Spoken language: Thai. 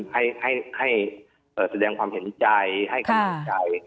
ให้แสดงความเห็นใจให้กำลังใจ